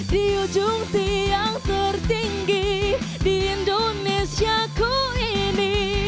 di ujung tiang tertinggi di indonesia ku ini